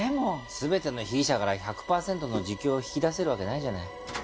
全ての被疑者から１００パーセントの自供を引き出せるわけないじゃない。